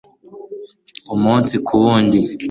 umunsi ku wundi